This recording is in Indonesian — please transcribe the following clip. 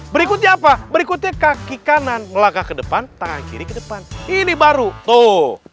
berikutnya apa berikutnya kaki kanan melangkah ke depan tangan kiri ke depan ini baru tuh